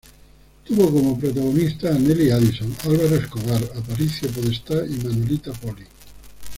Tuvo como protagonistas a Nelly Edison, Álvaro Escobar, Aparicio Podestá y Manolita Poli.